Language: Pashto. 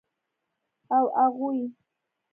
او اغوئ.